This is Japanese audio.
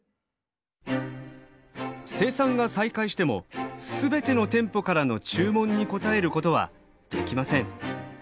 生産が再開しても全ての店舗からの注文に応えることはできません。